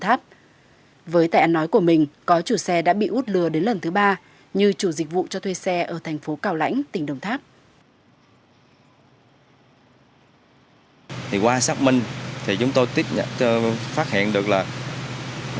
hết thời hạn thuê thấy út không mang xe đến điện thoại thì khất lần